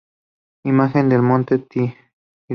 Imagen del monte Tyree